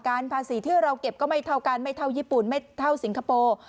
ภาษีที่เราเก็บก็ไม่เท่ากันไม่เท่าญี่ปุ่นไม่เท่าสิงคโปร์